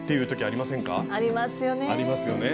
ありますよね。